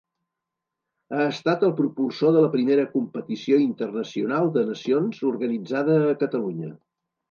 Ha estat el propulsor de la primera competició internacional de nacions organitzada a Catalunya.